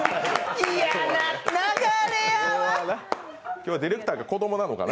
今日はディレクターが子供なのかな？